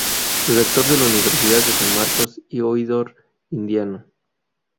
Rector de la Universidad de San Marcos y oidor indiano.